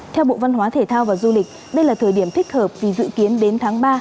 theo bộ văn hóa thể thao và du lịch đây là thời điểm thích hợp vì dự kiến đến tháng ba